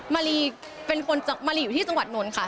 มารีเป็นคนมารีอยู่ที่จังหวัดนนท์ค่ะ